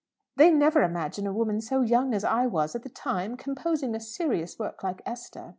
They never imagine a woman so young as I was at the time composing a serious work like 'Esther.'"